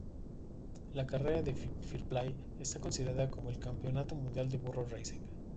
La carrera de Fairplay está considerada como el "Campeonato Mundial de Burro Racing".